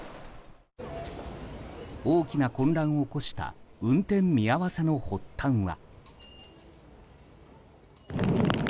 大きな混乱を起こした運転見合わせの発端は。